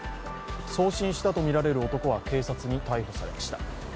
送信したとみられる男は関係者に逮捕されました。